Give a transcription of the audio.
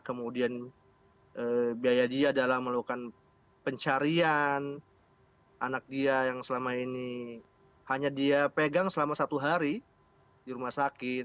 kemudian biaya dia dalam melakukan pencarian anak dia yang selama ini hanya dia pegang selama satu hari di rumah sakit